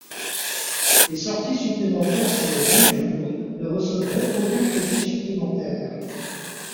Les sorties supplémentaires sur le même jour ne recevront aucun crédit supplémentaire.